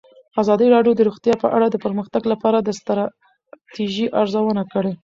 ازادي راډیو د روغتیا په اړه د پرمختګ لپاره د ستراتیژۍ ارزونه کړې.